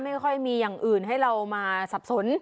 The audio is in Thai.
ไม่ค่อยมีอย่างอื่นให้เรามาสับสน